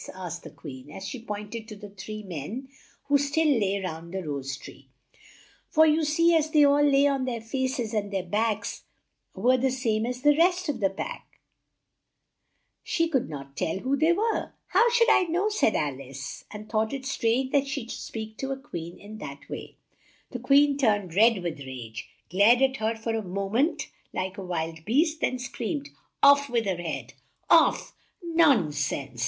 asked the Queen, as she point ed to the three men who still lay round the rose tree; for you see as they all lay on their faces and their backs were the same as the rest of the pack, she could not tell who they were. "How should I know?" said Al ice, and thought it strange that she should speak to a Queen in that way. The Queen turned red with rage, glared at her for a mo ment like a wild beast, then screamed, "Off with her head! Off " "Non sense!"